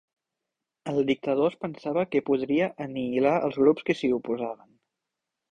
El dictador es pensava que podria anihilar els grups que s'hi oposaven.